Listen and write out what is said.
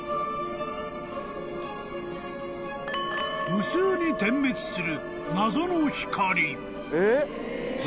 ［無数に点滅する］